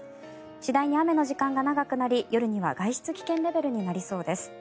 次第に雨の時間が長くなり夜には外出危険レベルになりそうです。